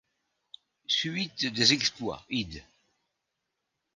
Suyte des exploits id.